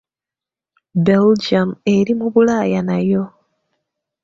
Belgium eri mu Bulaaya nayo.